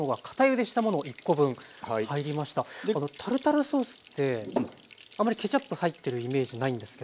このタルタルソースってあまりケチャップ入ってるイメージないんですけど。